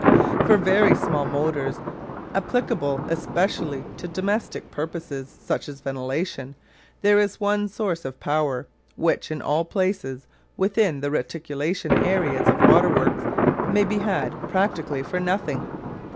For very small motors, applicable specially to domestic purposes such as ventilation, there is one source of power which, in all places within the reticulation areas of waterworks, may be had practically for nothing.